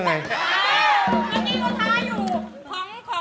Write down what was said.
สวัสดีค่ะ